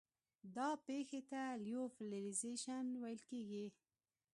دا پېښې ته لیوفیلیزیشن ویل کیږي.